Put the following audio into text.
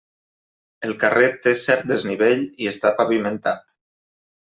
El carrer té cert desnivell i està pavimentat.